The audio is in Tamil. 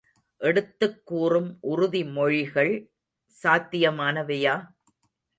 எடுத்துக் கூறும் உறுதி மொழிகள் சாத்தியமானவையா?